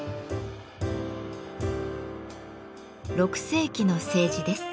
６世紀の青磁です。